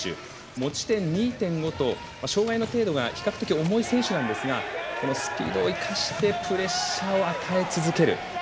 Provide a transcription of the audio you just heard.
持ち点２．５と障がいの程度が比較的重い選手なんですがスピードを生かしてプレッシャーを与え続ける。